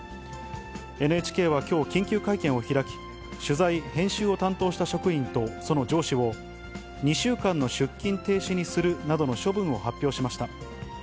ＮＨＫはきょう、緊急会見を開き、取材・編集を担当した職員とその上司を、２週間の出勤停止にするなどの処分を発表しました。